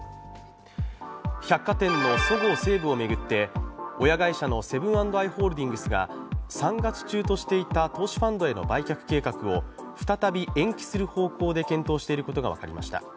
百貨店のそごう・西武を巡って親会社のセブン＆アイ・ホールディングスが３月中としていた投資ファンドへの売却計画を再び延期する方向で検討していることが分かりました。